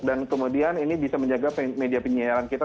dan kemudian ini bisa menjaga media penyiaran kita